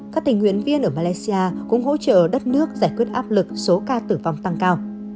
các tình nguyện viên ở malaysia cũng hỗ trợ đất nước giải quyết áp lực số ca tử vong tăng cao